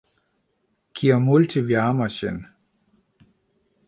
Kiom multe vi amas ŝin.